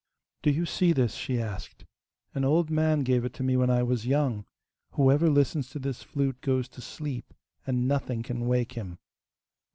'Do you see this?' she asked. 'An old man gave it to me when I was young: whoever listens to this flute goes to sleep, and nothing can wake him.